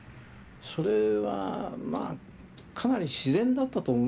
それはまあかなり自然だったと思います。